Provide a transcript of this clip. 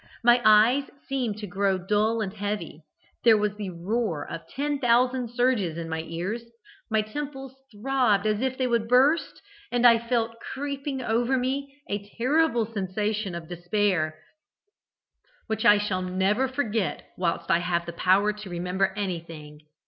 My eyes seemed to grow dull and heavy, there was the roar of ten thousand surges in my ears, my temples throbbed as if they would burst, and I felt creeping over me a terrible sensation of despair, which I shall never forget whilst I have power to remember anything.